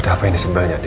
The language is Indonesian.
ada apaan di sebelahnya